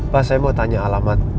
pak saya mau tanya alamat